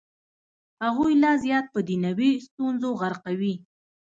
هغوی لا زیات په دنیوي ستونزو غرقوي.